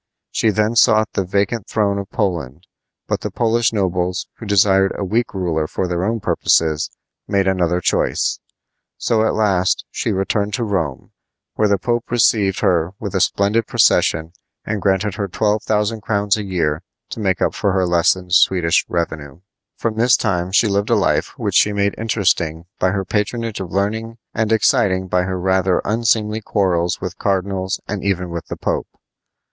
She then sought the vacant throne of Poland; but the Polish nobles, who desired a weak ruler for their own purposes, made another choice. So at last she returned to Rome, where the Pope received her with a splendid procession and granted her twelve thousand crowns a year to make up for her lessened Swedish revenue. From this time she lived a life which she made interesting by her patronage of learning and exciting by her rather unseemly quarrels with cardinals and even with the Pope.